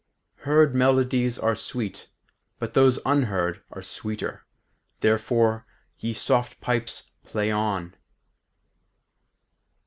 "Heard melodies are sweet, but those unheard Are sweeter: therefore, ye soft pipes, play on....